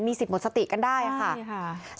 สิทธิ์หมดสติกันได้ค่ะใช่ค่ะ